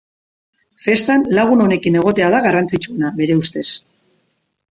Festan lagun onekin egotea da garrantzitsuena, bere ustez.